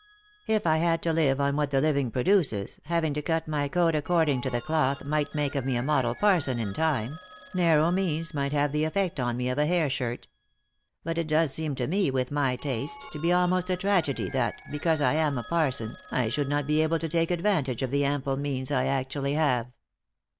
If I had to live on what the living produces, having to cut my coat according to the cloth might make of me a model parson in time ; narrow means might have the effect on me of a hair shirt But it does seem to me, with my tastes, to be almost a tragedy that, because I am a parson, I should not be able to take advantage of the ample means I actually have."